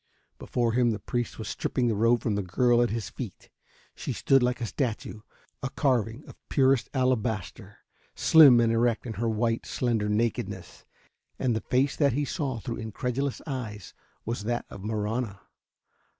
Before him the priest was stripping the robe from the girl at his feet. She stood like a statue, a carving of purest alabaster, slim and erect in her white, slender nakedness. And the face that he saw through incredulous eyes was that of Marahna.